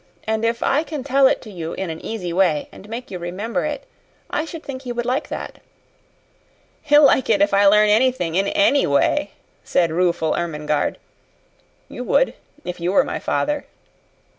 "And if I can tell it to you in an easy way and make you remember it, I should think he would like that." "He'll like it if I learn anything in ANY way," said rueful Ermengarde. "You would if you were my father."